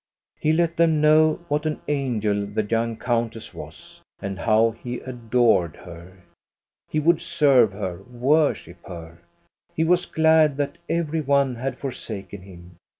He let them know what an angel the young coun tess was, and how he adored her. He would serve her, worship her. He was glad that every one had forsaken him.